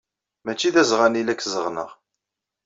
Maci d azɣan ay la k-zeɣɣneɣ.